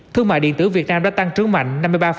thương mại điện tử việt nam đã tăng trướng mạnh